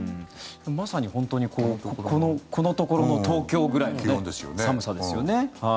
まさに本当にこのところの東京くらいの寒さですよね。